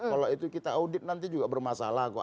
kalau itu kita audit nanti juga bermasalah kok